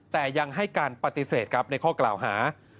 แต่ยังให้การปฏิเสธครับในข้อกล่าวหา